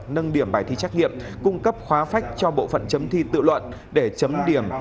nâng điểm bài thi trắc nghiệm cung cấp khóa phách cho bộ phận chấm thi tự luận để chấm điểm